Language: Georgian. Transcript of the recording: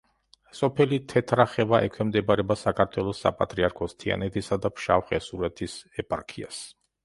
სოფელი თეთრახევა ექვემდებარება საქართველოს საპატრიარქოს თიანეთისა და ფშავ-ხევსურეთის ეპარქიას.